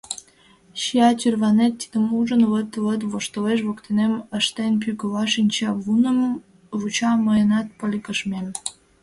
Чия тӱрванет, тидым ужын, лыт-лыт воштылеш воктенем, ыштен пӱгыла шинчавуным, вуча мыйынат пыльгыжмем.